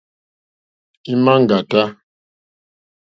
Ímá ŋɡàtá.